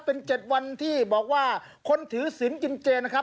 เป็น๗วันที่บอกว่าคนถือศิลป์กินเจนะครับ